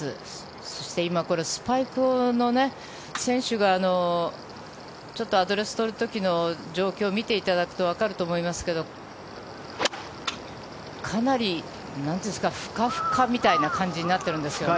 そして今、スパイクの選手がちょっとアドレスを取る時の状況を見ていただくとわかると思いますけどかなりフカフカみたいな感じになってるんですね。